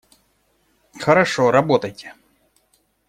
Хорошо, работайте!